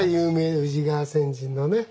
宇治川先陣のね。